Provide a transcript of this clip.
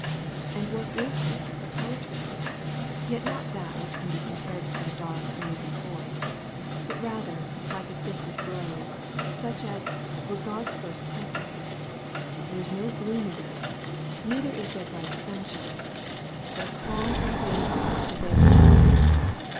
And what is this but poetry? yet not that which can be compared to some dark, mazy forest, but rather like a sacred grove, such as "were God's first temples." There is no gloom around, neither is there bright sunshine; but a calm and holy light pervades the place.